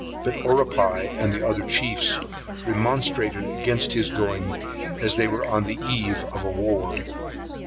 But Oripai, and the other chiefs, remonstrated against his going, as they were on the eve of a war.